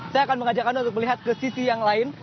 saya akan mengajak anda untuk melihat ke sisi yang lain